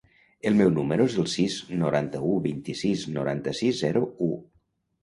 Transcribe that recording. El meu número es el sis, noranta-u, vint-i-sis, noranta-sis, zero, u.